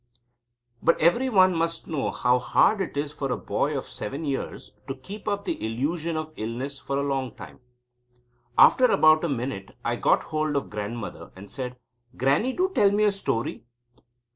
But every one must know how hard it is for a boy of seven years old to keep up the illusion of illness for a long time. After about a minute I got hold of Grandmother, and said: "Grannie, do tell me a story."